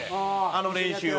あの練習を。